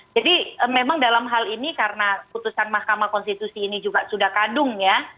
jadi memang dalam hal ini karena putusan mahkamah konstitusi ini juga sudah kadung ya